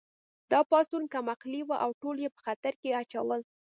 دا پاڅون کم عقلې وه او ټول یې په خطر کې اچول